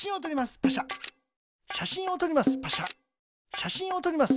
しゃしんをとります。